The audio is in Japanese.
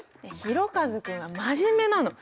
ひろかず君は真面目なの。